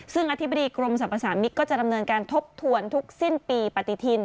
ซึ่งอธิบดีกรมสรรพสามิตรก็จะดำเนินการทบทวนทุกสิ้นปีปฏิทิน